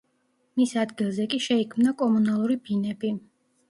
მის ადგილზე კი შეიქმნა კომუნალური ბინები.